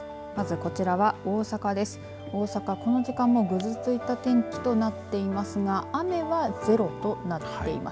この時間もぐずついた天気となっていますが雨はゼロとなっています。